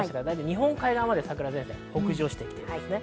日本海側まで桜前線が北上してきています。